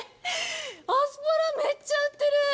アスパラめっちゃ売ってる！